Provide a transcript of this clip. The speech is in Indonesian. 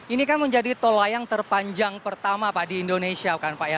ini kan menjadi tol layang terpanjang pertama pak di indonesia